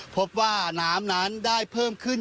พบว่าน้ำนั้นได้เพิ่มขึ้น